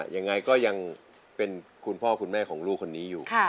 ยังไงก็ยังเป็นคุณพ่อคุณแม่ของลูกคนนี้อยู่